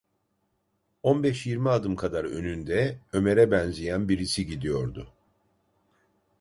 On beş yirmi adım kadar önünde Ömer’e benzeyen birisi gidiyordu.